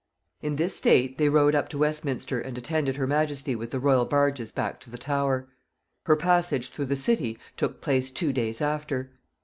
In this state they rowed up to Westminster and attended her majesty with the royal barges back to the Tower. Her passage through the city took place two days after.